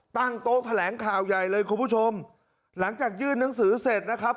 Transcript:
ตั้งโต๊ะแถลงข่าวใหญ่เลยคุณผู้ชมหลังจากยื่นหนังสือเสร็จนะครับ